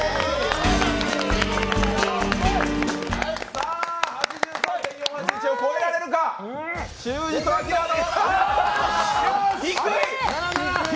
さあ、８３．４８１を超えられるかあー、低い！